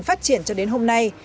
phát triển cho đến hôm nay